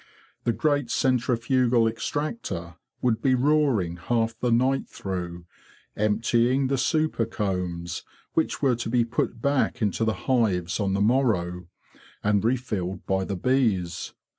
The great centrifugal extractor would be roaring half the night through, emptying the super combs, which were to be put back into the hives on the morrow, and refilled by the bees.